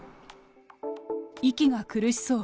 息が苦しそう。